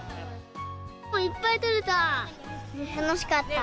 いっぱい取れた。